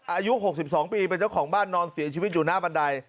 อายุ๖๒ปีเป็นเจ้าของบ้านนอนเสียชีวิตอยู่หน้าบันได